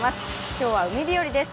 今日は海日和です。